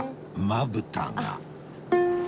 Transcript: まぶたが